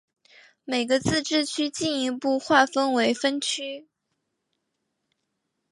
每个自治区进一步划分为分区。